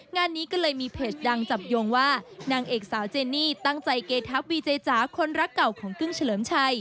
งานนี้ก็เลยมีเพจดังจับโยงว่านางเอกสาวเจนี่ตั้งใจเกทับวีเจจ๋าคนรักเก่าของกึ้งเฉลิมชัย